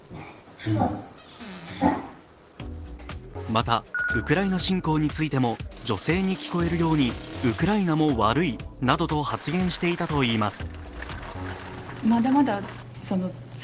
また、ウクライナ侵攻についても女性に聞こえるようにウクライナも悪いなどと発言していたといいます。